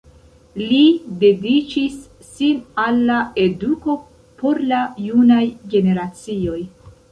Li dediĉis sin al la eduko por la junaj generacioj.